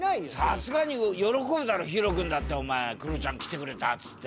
さすがに喜ぶだろＨＩＲＯくんだってお前「クロちゃん来てくれた」っつって。